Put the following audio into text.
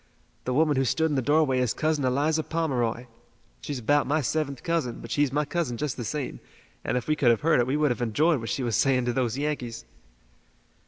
The woman who stood in the doorway is Cousin Eliza Pomeroy. She's about my seventh cousin, but she's my cousin just the same, and if we could have heard it we would have enjoyed what she was saying to those Yankees."